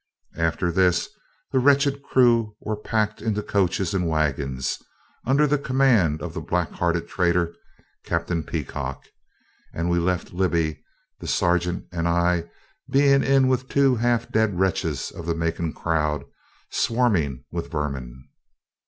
After this, the wretched crew were packed into coaches and wagons, under command of the black hearted traitor Captain Peacock, and we left Libby, the sergeant and I being in with two half dead wretches of the Macon crowd, swarming with vermin.